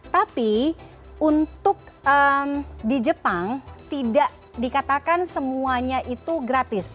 tapi untuk di jepang tidak dikatakan semuanya itu gratis